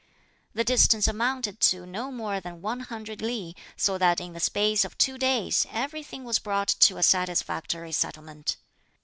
The distance amounted to no more than one hundred li, so that in the space of two days everything was brought to a satisfactory settlement.